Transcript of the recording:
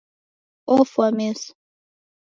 Ofwa meso